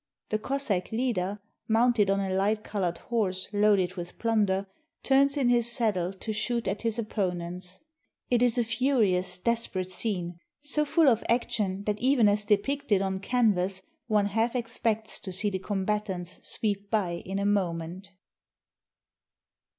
The Cossack leader, mounted on a light colored horse loaded with plunder, turns in his saddle to shoot at his opponents. It is a furious, desperate scene, so full of action that even as depicted on canvas, one half expects to see the combatants sweep by in a moment.